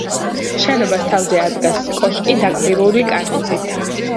შენობას თავზე ადგას კოშკი დაკბილული კარნიზით.